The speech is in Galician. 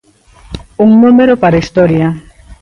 Un número para a historia.